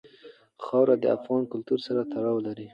خاوره د افغان کلتور سره تړاو لري.